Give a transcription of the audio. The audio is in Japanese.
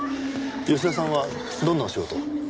吉田さんはどんなお仕事を？